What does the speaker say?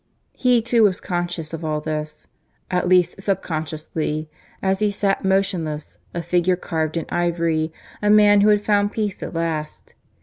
He too was conscious of all this, at least subconsciously, as he sat motionless, a figure carved in ivory, a man who had found peace at last.